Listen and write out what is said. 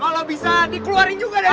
kalau bisa dikeluarin juga deh